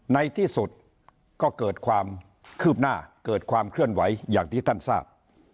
ในที่สุดก็เกิดความคืบหน้าเกิดความเคลื่อนไหวอย่างที่ท่านทราบ